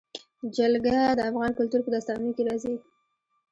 جلګه د افغان کلتور په داستانونو کې راځي.